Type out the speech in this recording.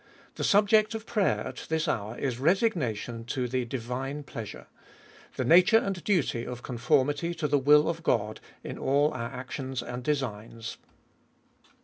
The subject of prayer at this hour is Resignation to the divine pleasure. The nature and duty of conformity to the will of God in all our actions and designs.